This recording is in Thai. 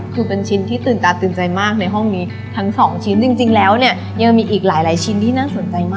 คือเป็นชิ้นที่ตื่นตาตื่นใจมากในห้องนี้ทั้งสองชิ้นจริงแล้วเนี่ยยังมีอีกหลายชิ้นที่น่าสนใจมาก